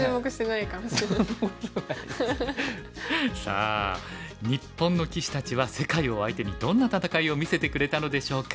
さあ日本の棋士たちは世界を相手にどんな戦いを見せてくれたのでしょうか。